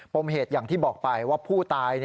มเหตุอย่างที่บอกไปว่าผู้ตาย